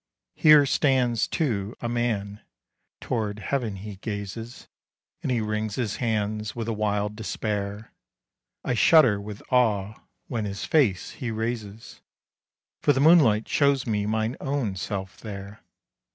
Here stands, too, a man; toward heaven he gazes, And he wrings his hands with a wild despair. I shudder with awe when his face he raises, For the moonlight shows me mine own self there.